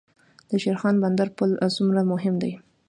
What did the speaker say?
د شیرخان بندر پل څومره مهم دی؟